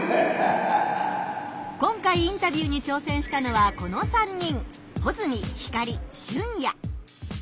今回インタビューにちょうせんしたのはこの３人。